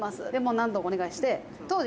何度もお願いして」